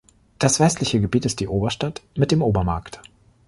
Das westliche Gebiet ist die "Oberstadt" mit dem Obermarkt.